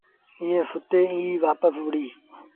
ائيٚݩ ستيٚ ئيٚ وآپس وهُڙي۔